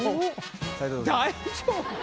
大丈夫か？